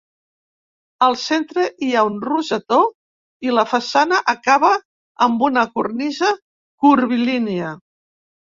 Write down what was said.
Al centre hi ha un rosetó i la façana acaba amb una cornisa curvilínia.